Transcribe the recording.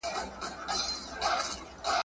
خر بارونو ته پیدا خرکار ترڅنګ وي `